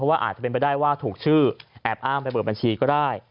ว่าอาจจะเป็นไปได้ว่าถูกชื่อแอบอ้างไปเปิดบัญชีก็ได้